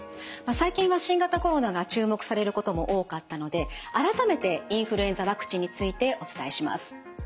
最近は新型コロナが注目されることも多かったので改めてインフルエンザワクチンについてお伝えします。